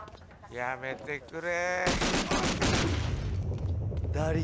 やめてくれ。